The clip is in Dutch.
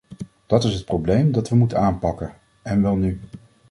Dat is het probleem dat we moeten aanpakken, en wel nu.